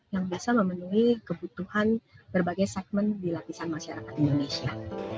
yang bisa memenuhi kebutuhan berbagai segmen di lapisan masyarakat indonesia